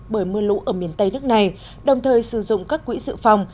bởi mưa lũ ở miền tây nước này đồng thời sử dụng các quỹ dự phòng